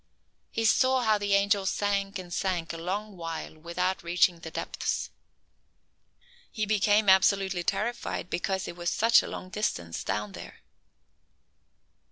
He saw how the angel sank and sank a long while without reaching the depths. He became absolutely terrified because it was such a long distance down there.